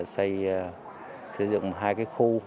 xây sử dụng hai cái khu